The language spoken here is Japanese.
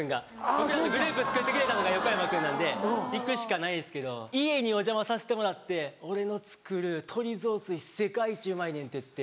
僕らのグループつくってくれたのが横山君なんで行くしかないんですけど家にお邪魔させてもらって「俺の作る鶏雑炊世界一うまいねん」って言って。